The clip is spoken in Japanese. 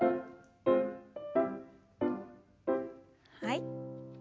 はい。